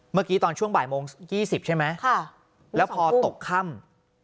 เมื่อกี้ตอนช่วงบ่ายโมง๒๐ใช่ไหมแล้วพอตกค่ำ